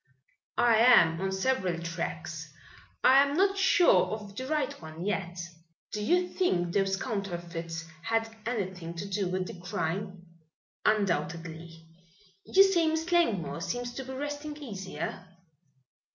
"I am on several tracks. I am not sure of the right one yet." "Do you think those counterfeits had anything to do with the crime?" "Undoubtedly. You say Miss Langmore seems to be resting easier?"